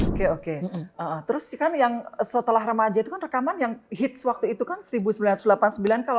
oke oke terus kan yang setelah remaja itu kan rekaman yang hits waktu itu kan seribu sembilan ratus delapan puluh sembilan